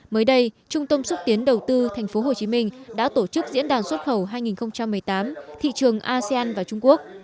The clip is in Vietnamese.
mới đây trung tâm xúc tiến đầu tư tp hcm đã tổ chức diễn đàn xuất khẩu hai nghìn một mươi tám thị trường asean và trung quốc